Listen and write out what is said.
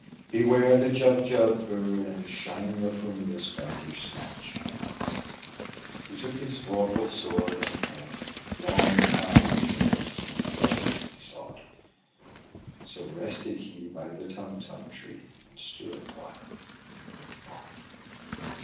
Beware the Jubjub bird, and shun The f rumious Bandersnatch !" He took his vorpal sword in hand: Long time the manxome foe he sought. So rested he by the Tumtum tree. And stood awhile in thought.